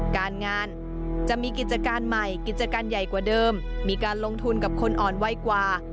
การงานจะมีกิจการใหม่กิจการใหญ่กว่าเดิมมีการลงทุนกับคนอ่อนไวกว่า